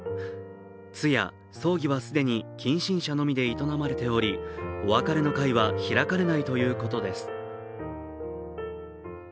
通夜、葬儀は既に近親者のみで営まれておりお別れの会は開かれないということです。